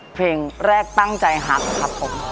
เพลงแรกตั้งใจฮักนะครับผม